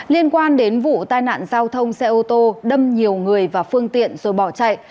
liên quan đến vụ tai nạn giao thông xe ô tô đâm nhiều người vào phương tiện rồi bỏ chạy